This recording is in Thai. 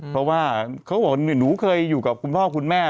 เพราะว่าเขาบอกว่าหนูเคยอยู่กับคุณพ่อคุณแม่